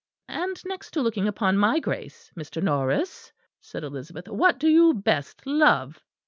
"And next to looking upon my Grace, Mr. Norris," said Elizabeth, "what do you best love?"